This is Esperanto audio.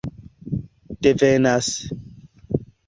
devenas